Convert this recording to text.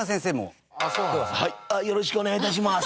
はいよろしくお願い致します。